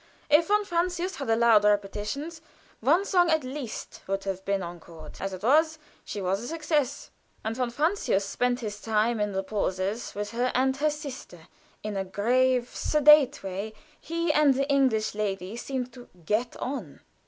If von Francius had allowed repetitions, one song at least would have been encored. As it was, she was a success. And von Francius spent his time in the pauses with her and her sister; in a grave, sedate way he and the English lady seemed to "get on."